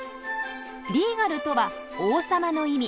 リーガルとは「王様」の意味。